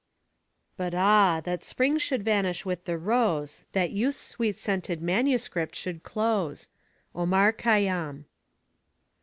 But, ah, that Spring should vanish with the rose. That youth's sweet*scented manuscript should close. Omar Khayyam.